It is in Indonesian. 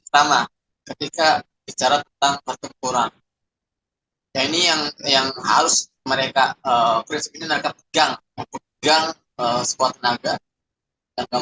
pertama ketika bicara tentang pertempuran yang harus mereka berikan sebuah tenaga